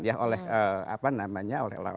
ya oleh apa namanya